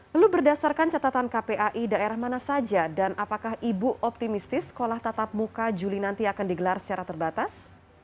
lalu berdasarkan catatan kpai daerah mana saja dan apakah ibu optimistis sekolah tatap muka juli nanti akan digelar secara terbatas